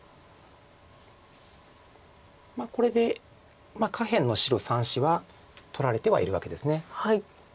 まあこれで下辺の白３子は取られてはいるわけです。